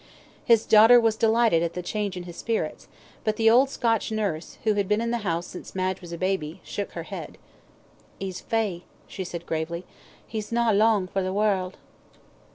His daughter was delighted at the change in his spirits, but the old Scotch nurse, who had been in the house since Madge was a baby, shook her head "He's fey," she said gravely. "He's no lang for the warld."